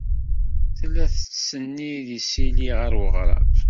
Tella tettsennid isili ɣer weɣrab.